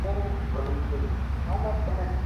আরে, তাড়াতাড়ি সেট করো।